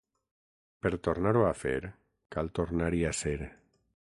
Per tornar-ho a fer, cal tornar-hi a ser.